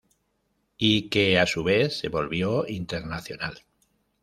Y que a su vez se volvió internacional.